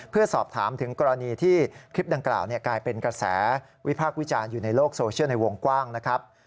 เพื่อสอบถามถึงกรณีที่คลิปดังกล่าวกลายเป็นกระแสวิพากษ์วิจารณ์อยู่ในโลกโซเชียลในวงกว้างนะครับ